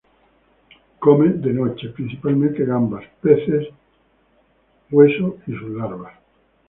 Come de noche principalmente gambas, peces hueso y sus larvas.